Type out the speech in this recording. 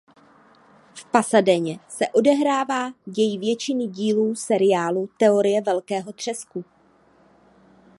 V Pasadeně se odehrává děj většiny dílů seriálu Teorie velkého třesku.